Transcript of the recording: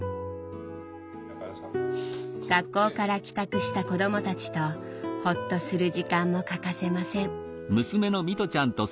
学校から帰宅した子どもたちとほっとする時間も欠かせません。